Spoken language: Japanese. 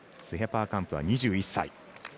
スヘパーカンプは２１歳。